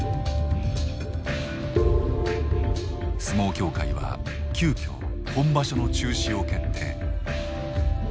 相撲協会は急きょ本場所の中止を決定。